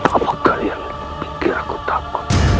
apa yang membuatmu takut